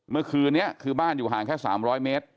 เมื่อคืนนี้คือบ้านอยู่ห่างแค่๓๐๐เมตร